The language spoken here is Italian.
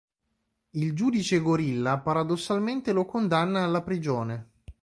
Il Giudice-gorilla paradossalmente lo condanna alla prigione.